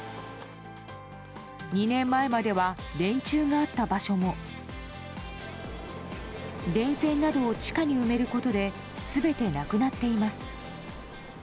２年前までは電柱があった場所も電線などを地下に埋めることで全てなくなっています。